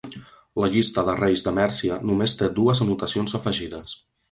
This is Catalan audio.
La llista de reis de Mèrcia només té dues anotacions afegides.